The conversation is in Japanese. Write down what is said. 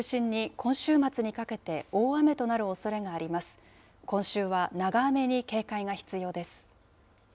今週は長雨に警戒が必要です。